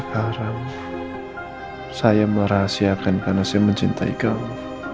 karena saya mencintai kamu